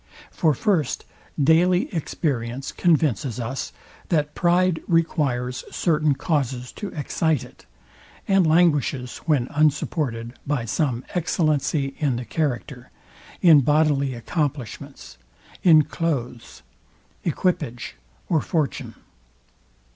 For first, daily experience convinces us, that pride requires certain causes to excite it, and languishes when unsupported by some excellency in the character, in bodily accomplishments, in cloaths, equipage or fortune.